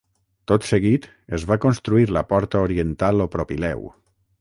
Tot seguit, es va construir la porta oriental o propileu.